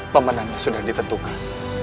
pemenangnya sudah ditentukan